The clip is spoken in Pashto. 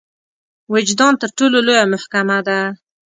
وجدان تر ټولو لويه محکمه ده.